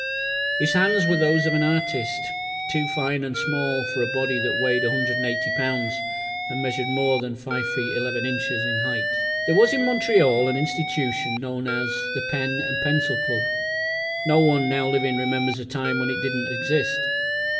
His hands were the hands of an artist too fine and small for a body that weighted 180 pounds, and measured more than five feet eleven inches in height. There was in Montreal an institution known as "The Pen and Pencil Club". No one now living remembers a time when it did not exist.